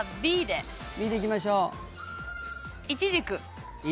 Ｂでいきましょう。